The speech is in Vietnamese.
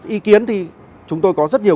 ý kiến thì chúng tôi có rất nhiều